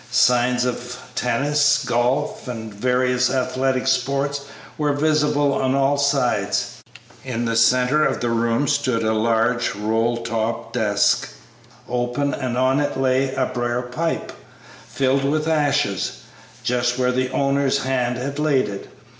Signs of tennis, golf, and various athletic sports were visible on all sides; in the centre of the room stood a large roll top desk, open, and on it lay a briar pipe, filled with ashes, just where the owner's hand had laid it.